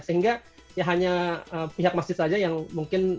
sehingga ya hanya pihak masjid saja yang mungkin